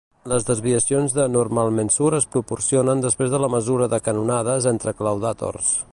Les desviacions de Normalmensur es proporcionen després de la mesura de canonades entre claudàtors.